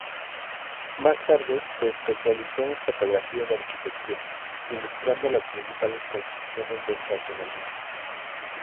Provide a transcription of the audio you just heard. Más tarde se especializó en fotografía de arquitectura, ilustrando las principales construcciones del racionalismo.